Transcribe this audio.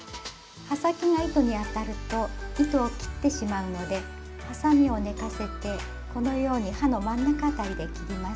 刃先が糸に当たると糸を切ってしまうのではさみを寝かせてこのように刃の真ん中辺りで切ります。